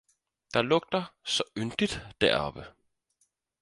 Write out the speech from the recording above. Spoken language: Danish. Der lugter så yndigt deroppe!